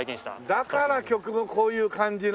だから曲もこういう感じの。